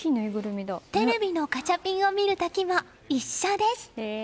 テレビのガチャピンを見る時も一緒です。